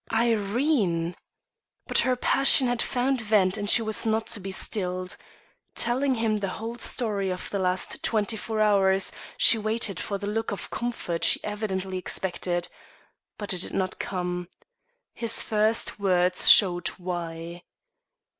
"Irene!" But her passion had found vent and she was not to be stilled. Telling him the whole story of the last twenty four hours, she waited for the look of comfort she evidently expected. But it did not come. His first words showed why.